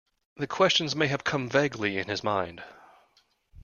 The questions may have come vaguely in his mind.